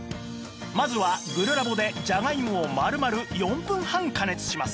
まずはグルラボでじゃがいもを丸々４分半加熱します